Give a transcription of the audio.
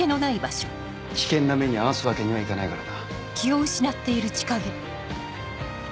危険な目に遭わすわけにはいかないからな。